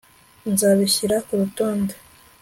Nzabishyira kurutonde